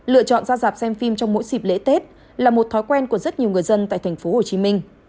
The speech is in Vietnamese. lựa chọn ra dạp xem phim trong mỗi dịp lễ tết là một thói quen của rất nhiều người dân tại tp hcm